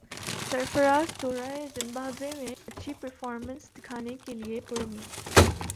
سرفرازدورہ Zimbabwe میں اچھی performance دکھانے کیلئے پر امید